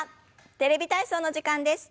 テレビ体操の時間です。